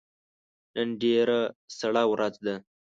نن ډیره سړه ورځ ده